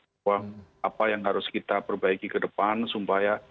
bahwa apa yang harus kita perbaiki ke depan supaya